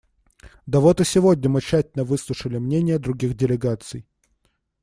Да вот и сегодня мы тщательно выслушали мнения других делегаций.